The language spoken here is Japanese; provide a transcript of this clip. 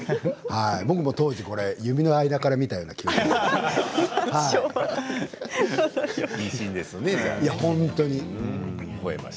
僕も当時これ指の間から見たような気がします。